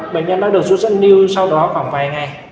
bệnh nhân đã được rút dẫn lưu sau đó khoảng vài ngày